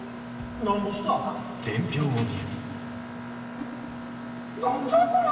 えっ何じゃこりゃ！？